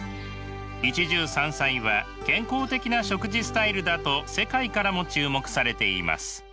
一汁三菜は健康的な食事スタイルだと世界からも注目されています。